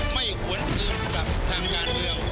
ไม่หวนอื่นกับทางงานเรียง